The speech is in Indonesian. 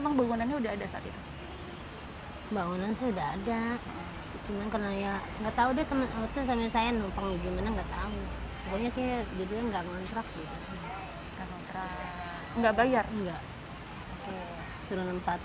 dan mereka juga mencari tempat untuk mencari tempat untuk mencari tempat untuk mencari tempat